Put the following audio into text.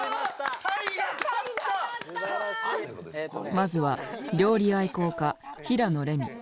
まずは料理愛好家平野レミ。